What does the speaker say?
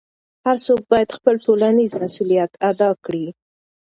هر څوک باید خپل ټولنیز مسؤلیت ادا کړي.